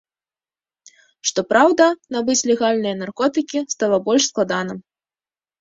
Што праўда, набыць легальныя наркотыкі стала больш складана.